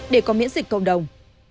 để có miễn dịch cộng đồng